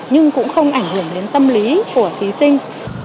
nhưng cũng không ảnh hưởng đến tâm lý của thí sinh